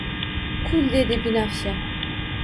Kul dedi binafsha